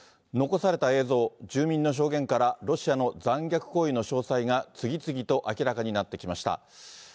残された映像、住民の証言から、ロシアの残虐行為の詳細が、次々と明らかになってきました。